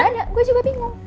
ada gue juga bingung